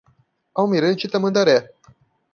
Almirante Tamandaré